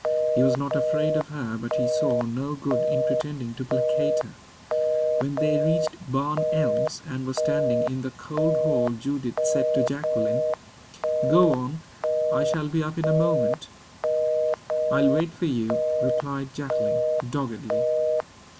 He was not afraid of her, but he saw no good in pretending to placate her. When they reached Barn Elms and were standing in the cold hall, Judith said to Jacqueline: "Go on. I shall be up in a moment." "I'll wait for you," replied Jacqueline, doggedly.